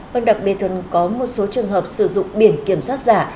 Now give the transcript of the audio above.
vâng đặc biệt là có một số trường hợp sử dụng biển kiểm soát giả